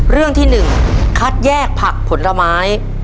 เรื่องที่๑คัดแยกผักผลไม้